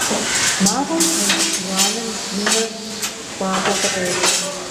МафӀэм пэрыт шыуаным лымэ гуакӀуэ кърех.